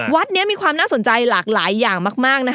วัดนี้มีความน่าสนใจหลากหลายอย่างมากนะคะ